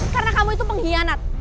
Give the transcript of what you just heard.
karena kamu itu pengkhianat